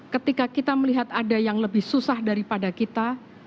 ketika kita melihat ada yang lebih susah daripada kita